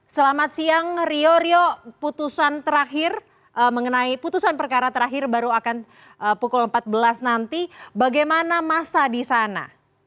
selamat siang rio rio putusan terakhir mengenai putusan perkara terakhir baru akan pukul empat belas nanti bagaimana masa di sana